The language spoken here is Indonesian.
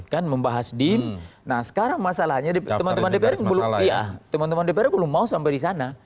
kan membahas dim nah sekarang masalahnya teman teman dpr belum mau sampai di sana